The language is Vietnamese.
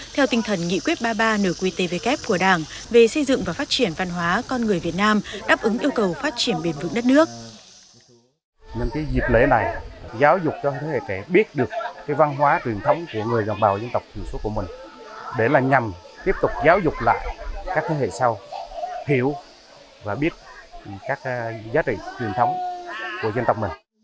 theo tinh thần nghị quyết ba ba nửa quy tế về kép của đảng về xây dựng và phát triển văn hóa con người việt nam đáp ứng yêu cầu phát triển bền vững đất nước